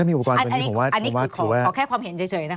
อันนี้คือขอแค่ความเห็นเฉยนะคะ